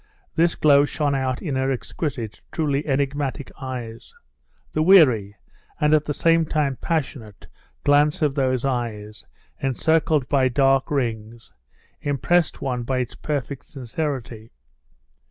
This glow shone out in her exquisite, truly enigmatic eyes. The weary, and at the same time passionate, glance of those eyes, encircled by dark rings, impressed one by its perfect sincerity.